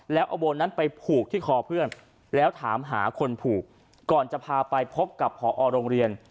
แล้วเอาโบนนั้นไปผูกที่คอเพื่อนแล้วถามหาคนผูกก่อนจะพาไปพบกับผอโรงเรียน